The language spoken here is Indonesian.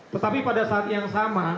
tetapi pada saat yang sama